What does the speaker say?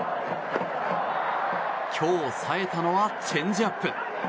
今日、さえたのはチェンジアップ。